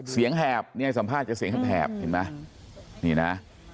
เสียงแหบเนี่ยสัมภาษณ์จะเสียงแหบนี่นะ